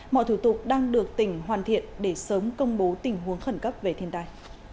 mọi thủ tục đang được tỉnh hoàn thiện để sớm công bố tình huống khẩn cấp về thiên tai